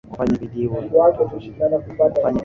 ufanya bidii na wakati uo huo kushauriana na raia wa marekani